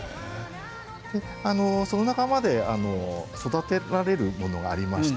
その仲間で育てられるものがあります。